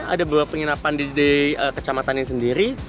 ada beberapa penginapan di kecamatan ini sendiri